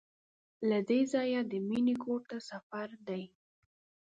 له دې ځایه د مینې کور ته سفر دی.